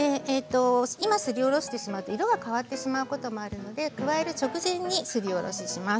今、すりおろしてしまうと色が変わってしまうこともあるので、加える直前にすりおろします。